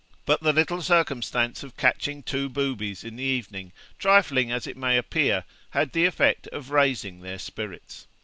But the little circumstance of catching two boobies in the evening, trifling as it may appear, had the effect of raising their spirits.